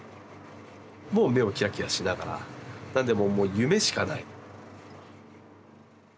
もう目をキラキラしながらなんでもう夢しかない。